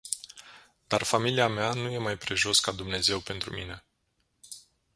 Dar familia mea nu e mai prejos ca Dumnezeu pentru mine.